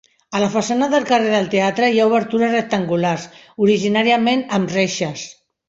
A la façana del carrer del Teatre hi ha obertures rectangulars, originàriament amb reixes.